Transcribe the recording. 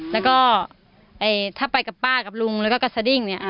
แล้วก็ถ้าไปกับป้ากับลุงแล้วก็กับสดิ้งเนี่ย